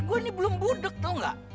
gue ini belum budek tau gak